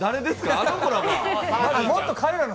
あの子らが。